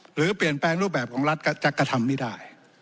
หรือเปลี่ยนแปลงรูปแบบของรัฐก็จะกระทำไม่ได้